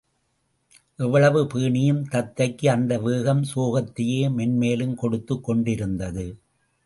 எவ்வளவு பேணியும் தத்தைக்கு அந்த வேகம் சோகத்தையே மேன்மேலும் கொடுத்துக் கொண்டிருந்தது.